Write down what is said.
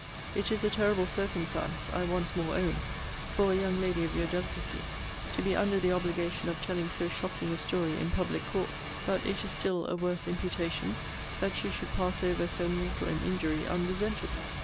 It is a terrible circumstance, I once more own, for a young lady of your delicacy to be under the obligation of telling so shocking a story in public court: but it is still a worse imputation, that she should pass over so mortal an injury unresented.